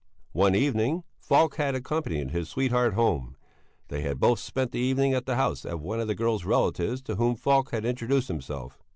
One evening Falk had accompanied his sweetheart home. They had both spent the evening at the house of one of the girl's relatives to whom Falk had introduced himself.